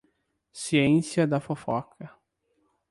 Ciência da fofoca